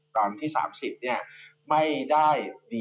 ตอนที่๓๐เนี่ย